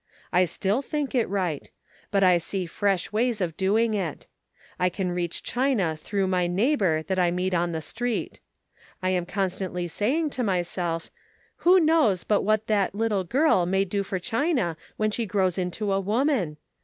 I still think it right ; but I see fresh ways of doing it. I can reach China through my neighbor that I meet on the street. I am constantly saying to myself, ' Who knows what that little girl may do for China when she grows into a woman?